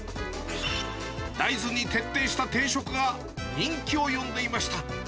大豆に徹底した定食が人気を呼んでいました。